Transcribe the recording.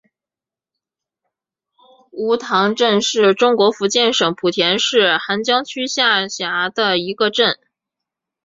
梧塘镇是中国福建省莆田市涵江区下辖的一个镇。